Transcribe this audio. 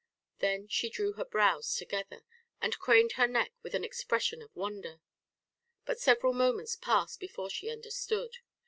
Then she drew her brows together, and craned her neck with an expression of wonder. But several moments passed before she understood.